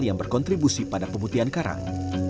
yang berkontribusi pada pemutihan karang